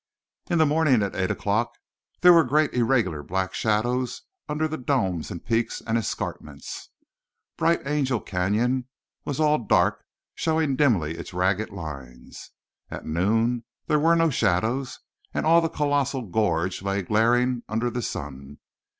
In the morning at eight o'clock there were great irregular black shadows under the domes and peaks and escarpments. Bright Angel Canyon was all dark, showing dimly its ragged lines. At noon there were no shadows and all the colossal gorge lay glaring under the sun.